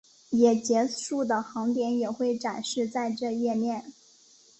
也结束的航点也会展示在这页面。